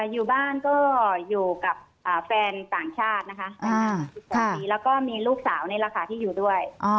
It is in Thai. อยู่บ้านก็อยู่กับแฟนต่างชาตินะคะ๑๖ปีแล้วก็มีลูกสาวนี่แหละค่ะที่อยู่ด้วย